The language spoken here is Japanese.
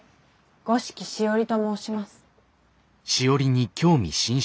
五色しおりと申します。